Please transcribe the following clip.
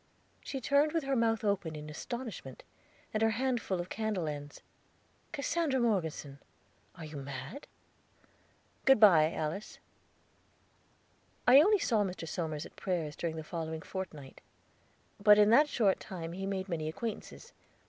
She turned with her mouth open in astonishment, and her hand full of candle ends. "Cassandra Morgeson, are you mad?" "Good by," Alice. I only saw Mr. Somers at prayers during the following fortnight. But in that short time he made many acquaintances.